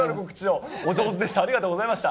ありがとうございます。